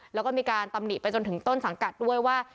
แล้วก็มีการตำหนิไปจนถึงต้นสังกัดด้วยว่า